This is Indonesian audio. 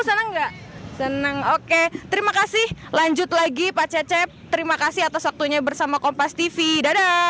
senang enggak senang oke terima kasih lanjut lagi pak cecep terima kasih atas waktunya bersama kompas tv dada